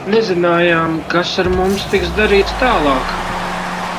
Nezinājām, kas ar mums tiks darīts tālāk.